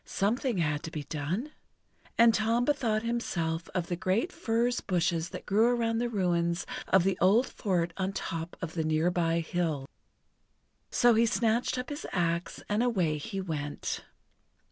Something had to be done. And Tom bethought himself of the great furze bushes that grew around the ruins of the old fort on top of the near by hill. So he snatched up his axe and away he went.